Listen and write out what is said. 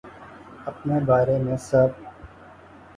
اپنے بارے میں سب